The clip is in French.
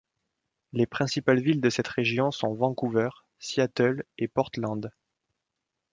Les principales villes de cette région sont Vancouver, Seattle et Portland.